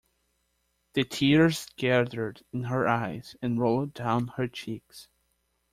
The tears gathered in her eyes and rolled down her cheeks.